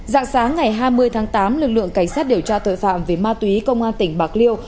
dạng sáng ngày hai mươi tháng tám lực lượng cảnh sát điều tra tội phạm về ma túy công an tỉnh bạc liêu